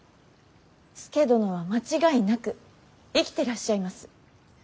佐殿は間違いなく生きてらっしゃいます。